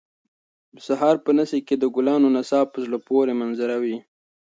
د سهار په نسي کې د ګلانو نڅا یو په زړه پورې منظر وي